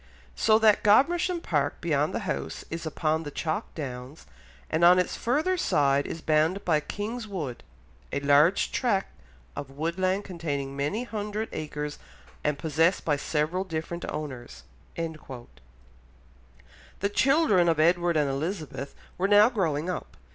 "So that Godmersham Park, beyond the house, is upon the chalk downs, and on its further side is bounded by King's Wood, a large tract of woodland containing many hundred acres and possessed by several different owners." The children of Edward and Elizabeth were now growing up.